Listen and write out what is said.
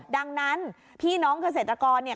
ดังนั้นพี่น้องเกษตรกรเนี่ย